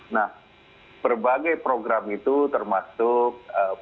nah berbagai program itu termasuk